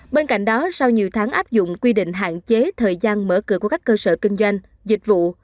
bên cạnh đó sau nhiều tháng áp dụng quy định hạn chế thời gian mở cửa của các cơ sở kinh doanh dịch vụ